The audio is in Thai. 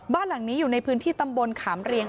บ้านหลังนี้อยู่ในพื้นที่ตำบลขามเรียง